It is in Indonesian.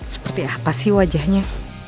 seperti apa sih wajahnya